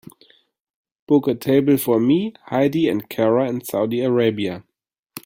book a table for me, heidi and cara in Saudi Arabia